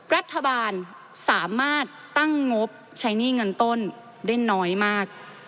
รัฐบาลสามารถตั้งงบใช้หนี้เงินต้นได้น้อยมาก